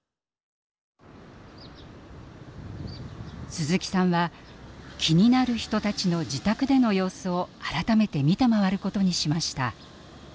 鈴木さんは気になる人たちの自宅での様子を改めて見て回ることにしました。